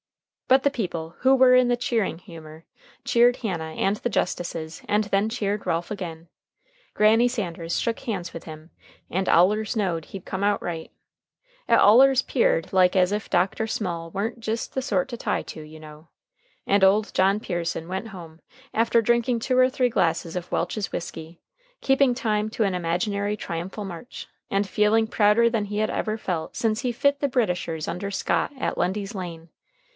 But the people, who were in the cheering humor, cheered Hannah and the justices, and then cheered Ralph again. Granny Sanders shook hands with him, and allers knowed he'd come out right. It allers 'peared like as if Dr. Small warn't jist the sort to tie to, you know. And old John Pearson went home, after drinking two or three glasses of Welch's whisky, keeping time to an imaginary triumphal march, and feeling prouder than he had ever felt since he fit the Britishers under Scott at Lundy's Lane.